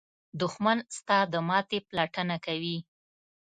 دښمن ستا د ماتې پلټنه کوي